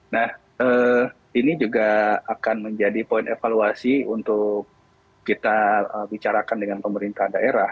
nah ini juga akan menjadi poin evaluasi untuk kita bicarakan dengan pemerintah daerah